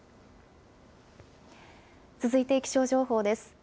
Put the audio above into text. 続いて気象情報です。